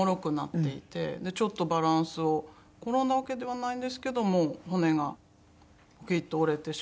ちょっとバランスを転んだわけではないんですけどもう骨がポキッと折れてしまって。